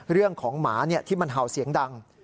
เรื่องของหมาที่มันเห่าเสียงดัง